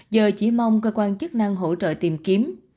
giờ chỉ mong cơ quan chức năng hỗ trợ tìm kiếm